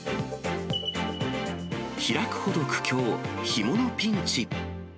開くほど苦境、干物ピンチ。